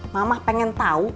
mama pengen tau